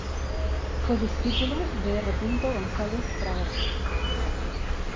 Fue discípulo de R. González Fragoso.